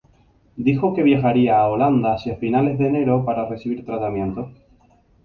Dijo que viajaría a Holanda hacia finales de enero para recibir tratamiento.